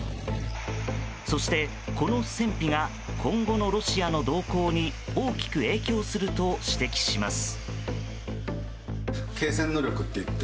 そして、この戦費が今後のロシアの動向に大きく影響すると指摘します。